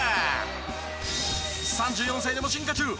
３４歳でも進化中。